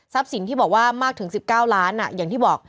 สินที่บอกว่ามากถึง๑๙ล้านอย่างที่บอก